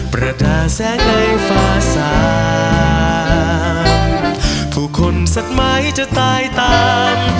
ประธานแสนในฟ้าสาผู้คนสักไม้จะตายตาม